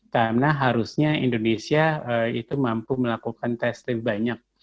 karena harusnya indonesia itu mampu melakukan tes lebih banyak